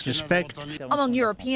dari alat alat eropa